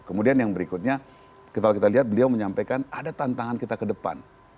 kemudian yang berikutnya kalau kita lihat beliau menyampaikan ada tantangan kita ke depan